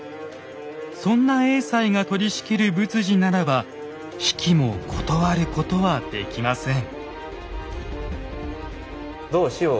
そんな栄西が取りしきる仏事ならば比企も断ることはできません。